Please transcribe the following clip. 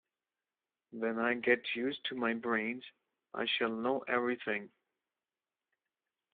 When I get used to my brains I shall know everything.